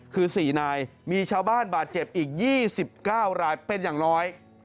คือ๔นายมีชาวบ้านบาดเจ็บอีก๒๙รายเป็นอย่างน้อย